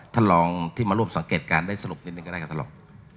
ท่านลองที่มาร่วมสังเกตการณ์ได้สรุปนิดนึงก็ได้ครับท่านรอง